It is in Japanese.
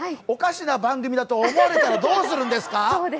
おかしな番組だと思われたらどうするんですか？